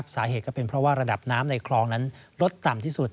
สาเหตุก็เป็นเพราะว่าระดับน้ำในคลองนั้นลดต่ำที่สุด